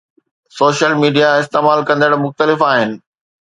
social media استعمال ڪندڙ مختلف آهن